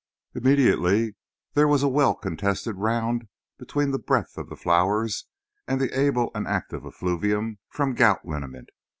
Immediately there was a well contested round between the breath of the flowers and the able and active effluvium from gout liniment.